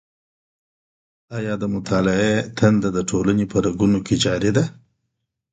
آيا د مطالعې تنده د ټولني په رګونو کي جاري ده؟